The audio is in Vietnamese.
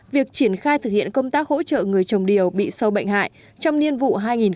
việc triển khai thực hiện công tác hỗ trợ người trồng điều bị sâu bệnh hại trong niên vụ hai nghìn một mươi sáu hai nghìn một mươi bảy